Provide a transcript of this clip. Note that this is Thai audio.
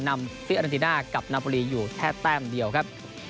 นำฟิเรนติน่ากับนาบุรีอยู่แค่แต้มเดียวครับ